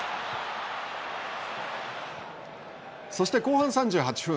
そして後半３８分。